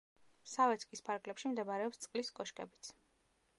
სავეცკის ფარგლებში მდებარეობს წყლის კოშკებიც.